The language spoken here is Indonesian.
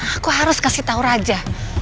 aku harus kasih tahu raja